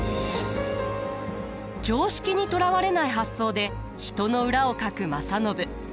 常識にとらわれない発想で人の裏をかく正信。